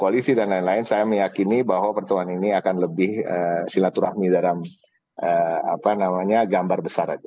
koalisi dan lain lain saya meyakini bahwa pertemuan ini akan lebih silaturahmi dalam gambar besar aja